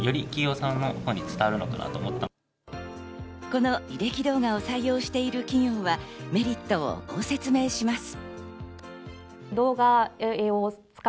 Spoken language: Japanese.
この履歴動画を採用している企業はメリットをこう説明します。